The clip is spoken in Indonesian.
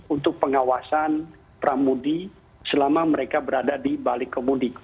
untuk pengawasan prambu selama mereka berada di balik kemudi